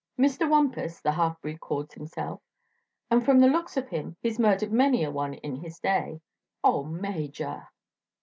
Mr. Wampus, the half breed calls himself, and from the looks of him he's murdered many a one in his day." "Oh, Major!"